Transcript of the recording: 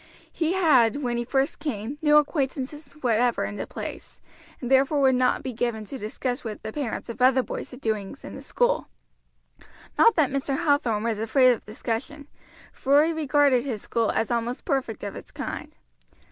He had, when he first came, no acquaintances whatever in the place, and therefore would not be given to discuss with the parents of other boys the doings in the school. Not that Mr. Hathorn was afraid of discussion, for he regarded his school as almost perfect of its kind.